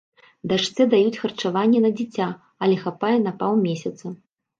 Дачцэ даюць харчаванне на дзіця, але хапае на паўмесяца.